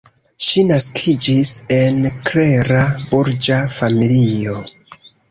Ŝi naskiĝis en klera burĝa familio.